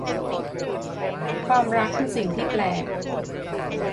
ความรักคือสิ่งที่แปลก